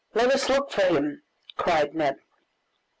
let us look for him!" cried Neb.